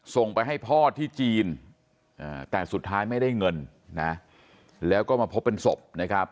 ส่งไปให้พ่อที่จีนแต่สุดท้ายไม่ได้เงินนะแล้วก็มาพบเป็นศพนะครับ